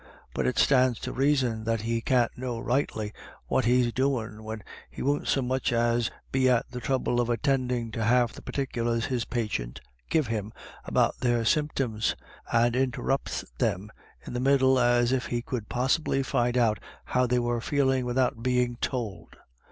But it stands to reason that he can't know rightly what he's doing, when he won't so much as be at the trouble of attending to half the particulars his patients give him about r THUNDER IN THE AIR. 195 their symptoms, and interrupts them in the middle, as if he could possibly find out how they were feeling without being told.